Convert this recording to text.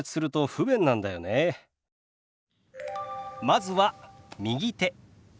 まずは「右手」。